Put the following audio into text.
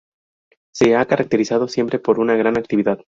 Se ha caracterizado siempre por una gran actividad.